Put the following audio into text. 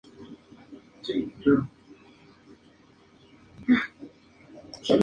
Marisol Argueta de Barillas, obtuvo su licenciatura en Ciencias Jurídicas por la Universidad "Dr.